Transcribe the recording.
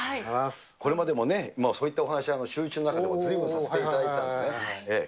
これまでもね、そういったお話、シューイチの中でも随分させていただいてたんですね。